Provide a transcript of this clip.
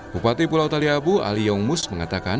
bupati pulau taliabu ali yongmus mengatakan